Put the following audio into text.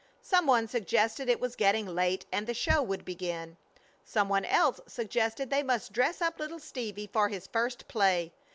Some one suggested it was getting late and the show would begin. Some one else suggested they must dress up Little Stevie for his first play.